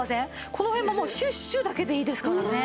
この辺ももうシュッシュッだけでいいですからね。